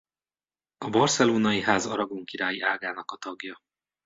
A Barcelonai-ház aragón királyi ágának a tagja.